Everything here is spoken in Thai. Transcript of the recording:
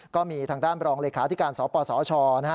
ก็มีทางด้านรองเลขาที่การสปสช